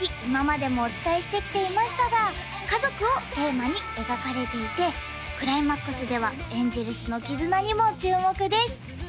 今までもお伝えしてきていましたが家族をテーマに描かれていてクライマックスではエンジェルスの絆にも注目です